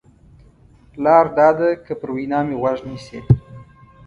لار دا ده که پر وینا مې غوږ نیسې.